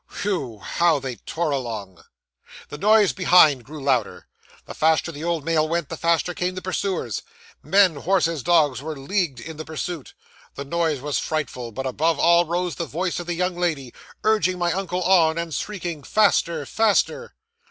Whew! How they tore along! 'The noise behind grew louder. The faster the old mail went, the faster came the pursuers men, horses, dogs, were leagued in the pursuit. The noise was frightful, but, above all, rose the voice of the young lady, urging my uncle on, and shrieking, "Faster! Faster!"